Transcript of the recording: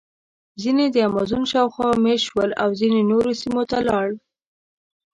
ځینې د امازون شاوخوا مېشت شول او ځینې نورو سیمو ته لاړل.